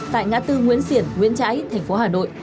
tại ngã tư nguyễn xiển nguyễn trãi tp hà nội